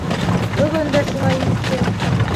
Бөгөн дә шулай иттем.